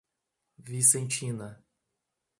Vicentina